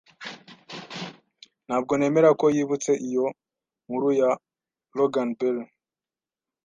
Ntabwo nemera ko yibutse iyo nkuru ya loganberry.